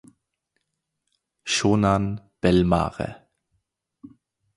Shonan Bellmare